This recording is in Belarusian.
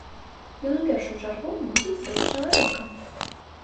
Ён у першую чаргу мусіць быць чалавекам.